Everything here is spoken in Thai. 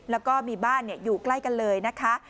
แล้วก็มีบ้านอยู่ใกล้กันเลยนะคะ